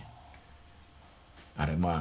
あれまあ